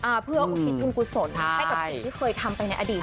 แล้วก็พิธีทุนกุศลนะได้กับสิทธิ์ที่เคยทำไปในอดีต